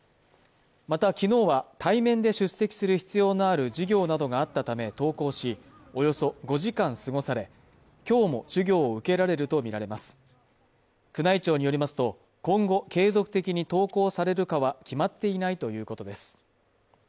またきのうは対面で出席する必要のある授業などがあったため登校しおよそ５時間過ごされ今日も授業を受けられると見られます宮内庁によりますと今後継続的に登校されるかは決まっていないということです